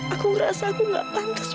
aku merasa aku gak pantas buat kamu vita